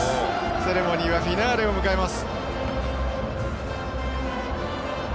セレモニーはフィナーレを迎えます。